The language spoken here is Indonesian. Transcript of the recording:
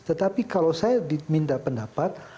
tetapi kalau saya diminta pendapat